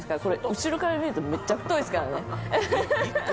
後から見るとめっちゃ太いですからね。